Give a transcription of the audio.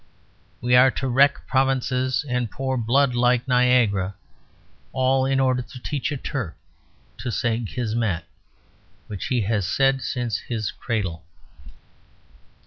We are to wreck provinces and pour blood like Niagara, all in order to teach a Turk to say "Kismet"; which he has said since his cradle.